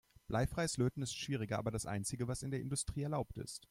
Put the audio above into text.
Bleifreies Löten ist schwieriger, aber das einzige, was in der Industrie erlaubt ist.